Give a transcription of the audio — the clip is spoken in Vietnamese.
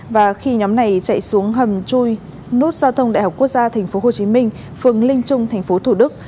và khi nhóm này chạy xuống hầm chui nút giao thông đại học quốc gia tp hcm phường linh trung thành phố thủ đức